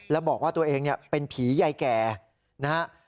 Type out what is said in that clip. แล้วบอกว่าตัวเองเป็นผียายแก่นะฮะ